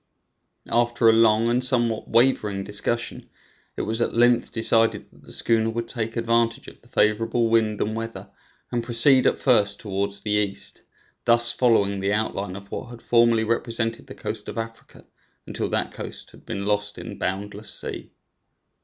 After a long and somewhat wavering discussion, it was at length decided that the schooner should take advantage of the favorable wind and weather, and proceed at first towards the east, thus following the outline of what had formerly represented the coast of Africa, until that coast had been lost in boundless sea.